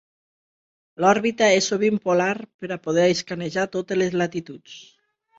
L’òrbita és sovint polar per a poder escanejar totes les latituds.